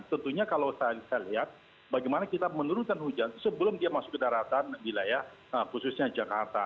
tentunya kalau saya lihat bagaimana kita menurunkan hujan sebelum dia masuk ke daratan wilayah khususnya jakarta